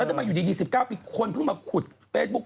แล้วถ้ามาอยู่ดี๑๙ปีคนเพิ่งมาขุดเฟสบุ๊ค